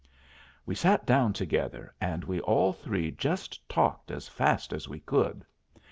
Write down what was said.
We sat down together, and we all three just talked as fast as we could.